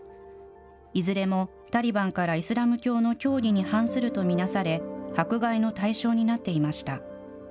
いずれも、タリバンからイスラム教の教義に反すると見なされ、迫害の対象になっていました。